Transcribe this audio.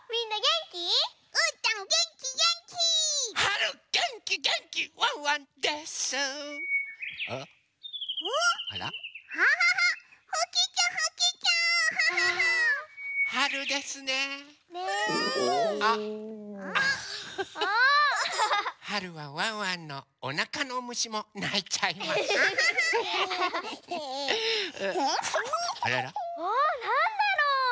なんだろう？